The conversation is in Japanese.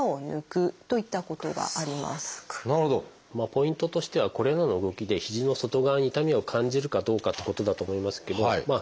ポイントとしてはこれらの動きで肘の外側に痛みを感じるかどうかってことだと思いますけどま